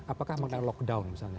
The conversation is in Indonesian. apakah mengenai lockdown misalnya